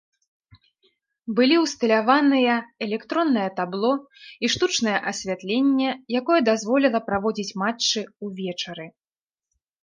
Былі ўсталяваныя электроннае табло і штучнае асвятленне, якое дазволіла праводзіць матчы ўвечары.